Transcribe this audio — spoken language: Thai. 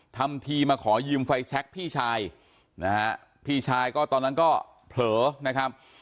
ทำทีมาขอยืมไฟแชคพี่ชายนะฮะพี่ชายก็ตอนนั้นก็เผลอนะครับ